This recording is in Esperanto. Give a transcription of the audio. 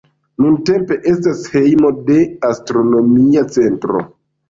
Nuntempe estas hejmo de astronomia centro.